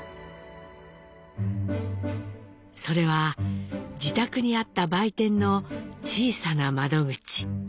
それは自宅にあった売店の小さな窓口。